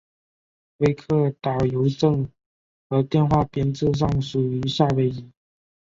威克岛邮政和电话编制上属于夏威夷。